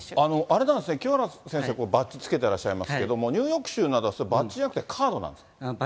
あれなんですね、清原先生、バッジつけてらっしゃいますけれども、ニューヨーク州などはバッジじゃなくて、カードなんですか？